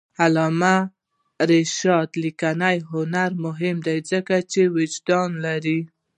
د علامه رشاد لیکنی هنر مهم دی ځکه چې وجدان لري.